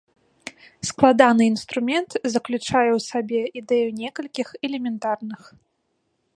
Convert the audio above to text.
Складаны інструмент заключае ў сабе ідэю некалькіх элементарных.